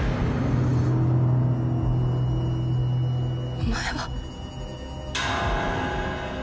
お前は！